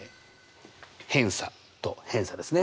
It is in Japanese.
偏差と偏差ですね。